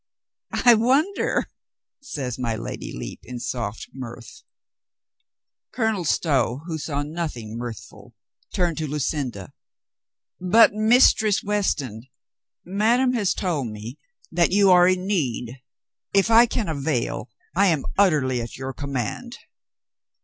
"I wonder," says my Lady Lepe in soft mirth. Colonel Stow, who saw nothing mirthful, turned to Lucinda. "But Mistress Weston, madame has told me that you are in need. If I can avail, I am utterly at your command."